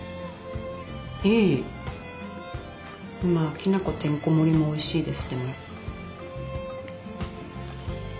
きな粉てんこ盛りもおいしいです。